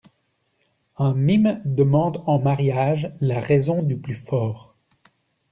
Un mime demande en mariage la raison du plus fort.